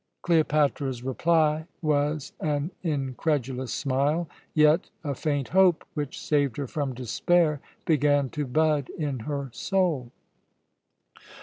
Cleopatra's reply was an incredulous smile, yet a faint hope which saved her from despair began to bud in her soul.